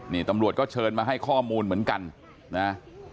นี่ตำรวจก็เชิญมาให้ข้อมูลเหมือนกันนะ